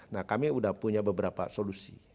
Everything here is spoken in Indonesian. nah kami sudah punya beberapa solusi